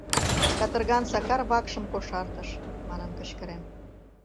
— Катырган Сакар вакшым кошартыш! — манын кычкырен.